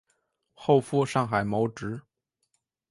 后赴上海谋职。